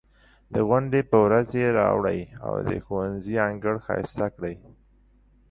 د غونډې په ورځ یې راوړئ او د ښوونځي انګړ ښایسته کړئ.